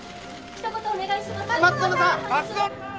ひと言お願いします！」